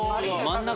真ん中？